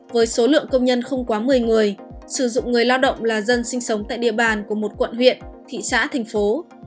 với số lượng công nhân không quá một mươi người sử dụng người lao động là dân sinh sống tại địa bàn của một quận huyện thị xã thành phố